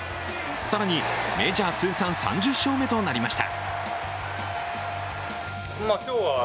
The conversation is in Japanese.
更に、メジャー通算３０勝目となりました。